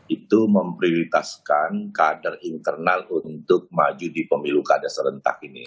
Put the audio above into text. itu memprioritaskan kader internal untuk maju di pemilu kada serentak ini